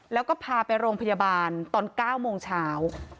แล้วก็พาไปโรงพยาบาลตอน๙โมงเช้า